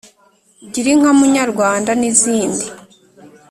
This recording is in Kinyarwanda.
gira inka munyarwanda n’izindi.